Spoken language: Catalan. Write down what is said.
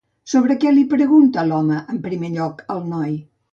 Sobre què li pregunta l'home, en primer lloc, al noi?